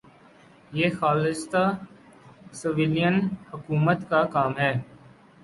یہ خالصتا سویلین حکومت کا کام ہے۔